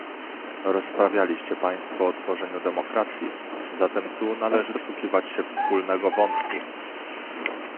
Rozprawialiście Państwo o tworzeniu demokracji, zatem tu należy doszukiwać się wspólnego wątku